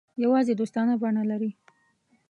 یوازې دوستانه بڼه لري.